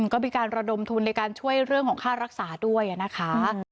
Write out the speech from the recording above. ก็มีการระดมทุนในการช่วยเรื่องของค่ารักษาด้วยนะคะ